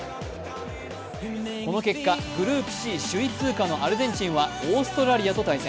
この結果、グループＣ首位通過のアルゼンチンはオーストラリアと対戦。